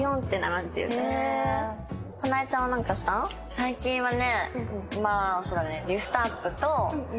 最近はね。